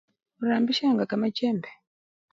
Khurambisyanga kama chembe